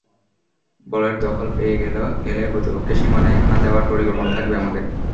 বলের দখল পেয়ে গেলে প্রতিপক্ষের সীমানায় হানা দেওয়ার পরিকল্পনা থাকবে আমাদের।